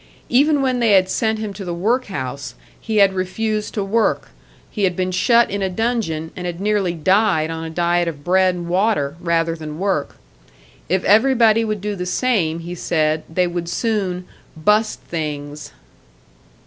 Even when they had sent him to the work house, he had refused to work; he had been shut in a dungeon, and had nearly died on a diet of bread and water, rather than work. If everybody would do the same, he said, they would soon "bust things."